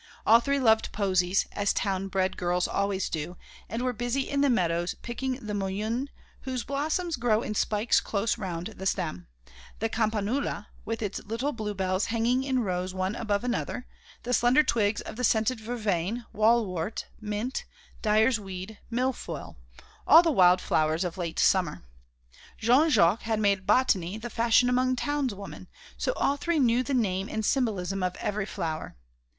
All three loved posies, as town bred girls always do, and were busy in the meadows plucking the mullein, whose blossoms grow in spikes close round the stem, the campanula, with its little blue bells hanging in rows one above another, the slender twigs of the scented vervain, wallwort, mint, dyer's weed, milfoil all the wild flowers of late summer. Jean Jacques had made botany the fashion among townswomen, so all three knew the name and symbolism of every flower.